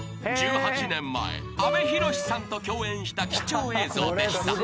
［１８年前阿部寛さんと共演した貴重映像でした］